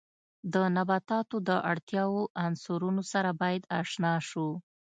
د نباتاتو د اړتیاوو عنصرونو سره باید آشنا شو.